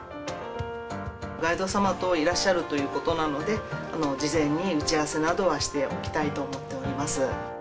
ガイド様といらっしゃるということなので、事前に打ち合わせなどはしておきたいと思っております。